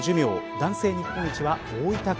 男性日本一は大分県。